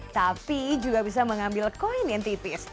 tapi juga bisa mengambil koin yang tipis